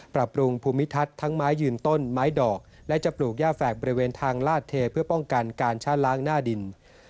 ปรับปรุงภูมิทัศน์ทั้งไม้ยืนต้นไม้ดอกและจะปลูกย่าแฝกบริเวณทางลาดเทเพื่อป้องกันการชะล้างหน้าดิน